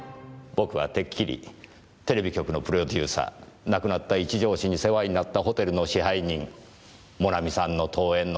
僕はてっきりテレビ局のプロデューサー亡くなった一条氏に世話になったホテルの支配人モナミさんの遠縁の加藤先生